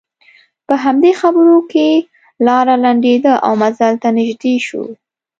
په همدې خبرو کې لاره لنډېده او منزل ته نژدې شول.